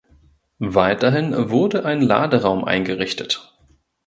Weiterhin wurde ein Laderaum eingerichtet.